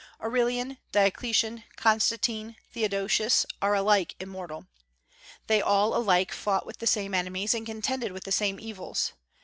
Aurelian, Diocletian, Constantine, Theodosius, are alike immortal. They all alike fought with the same enemies, and contended with the same evils.